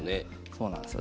そうなんですよ